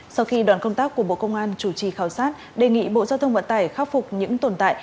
sau khi đoàn công tác của bộ công an chủ trì khảo sát đề nghị bộ giao thông vận tải khắc phục những tồn tại